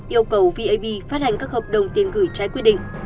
yêu cầu vab phát hành các hợp đồng tiền gửi trái quy định